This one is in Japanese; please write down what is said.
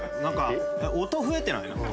何か音増えてない？